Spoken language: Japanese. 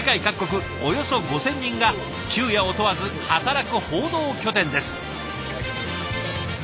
およそ５，０００人が昼夜を問わず働く報道拠点です。